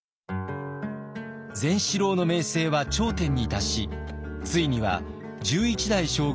善四郎の名声は頂点に達しついには１１代将軍